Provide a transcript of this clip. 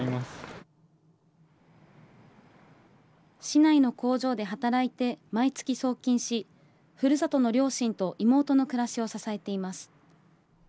市内の工場で働いて、毎月送金し、ふるさとの両親と妹の暮らしを支えています。